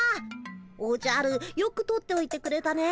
おじゃるよく取っておいてくれたね。